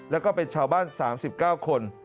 แล้วก็เป็นชาวบ้าน๓๙คน